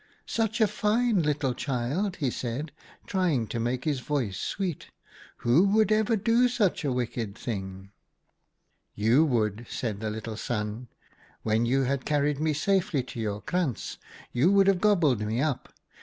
11 ' Such a fine little child,' he said, trying to make his voice sweet, ' who would ever do such a wicked thing ?' 86 OUTA KAREL'S STORIES "( You would,' said the little Sun. ' When you had carried me safely to your krantz, you would have gobbled me up.